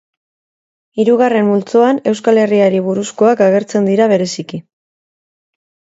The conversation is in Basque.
Hirugarren multzoan Euskal Herriari buruzkoak agertzen dira bereziki.